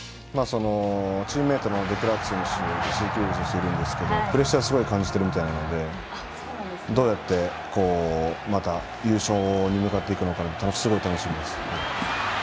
チームメートのデクラーク選手などいるんですがプレッシャーをすごく感じているみたいなのでどうやってまた優勝に向かっていくのかすごい楽しみです。